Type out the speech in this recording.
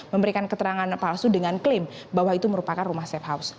memberikan keterangan palsu dengan klaim bahwa itu merupakan rumah safe house